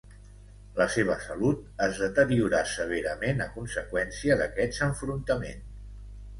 La seva salut es deteriorà severament a conseqüència d'aquests enfrontaments.